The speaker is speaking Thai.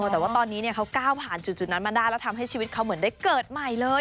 แต่ว่าตอนนี้เขาก้าวผ่านจุดนั้นมาได้แล้วทำให้ชีวิตเขาเหมือนได้เกิดใหม่เลย